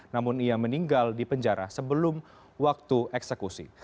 namun ia meninggal di penjara sebelum waktu eksekusi